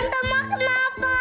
aduh ma aku mau makan